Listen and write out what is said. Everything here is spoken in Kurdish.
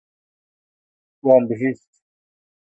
Wan bihîst.